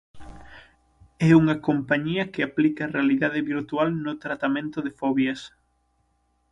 É unha compañía que aplica a realidade virtual no tratamento de fobias.